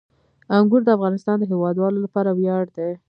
انګور د افغانستان د هیوادوالو لپاره ویاړ دی.